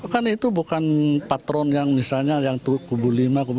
kan itu bukan patron yang misalnya yang kubu lima